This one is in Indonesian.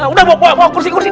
udah bawa kursi kursi